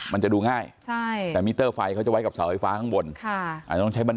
มันจะดูง่ายแต่มิเตอร์ไฟเขาจะไว้กับเสาไฟฟ้าข้างบน